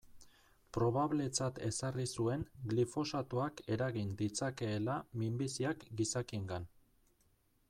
Probabletzat ezarri zuen glifosatoak eragin ditzakeela minbiziak gizakiengan.